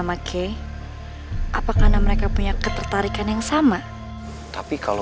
aku gak kalah saing sama sekar